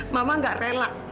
mama gak rela